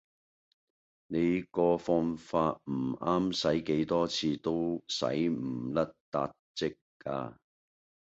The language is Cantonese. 你個放法唔啱洗幾多次都洗唔甩撻漬架